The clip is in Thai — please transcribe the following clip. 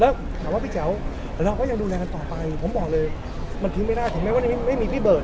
แล้วถามว่าพี่แจ๋วแต่เราก็ยังดูแลกันต่อไปผมบอกเลยมันทิ้งไม่ได้ถึงแม้ว่าจะไม่มีพี่เบิร์